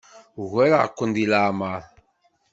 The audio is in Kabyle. Ugareɣ-ken deg leɛmeṛ.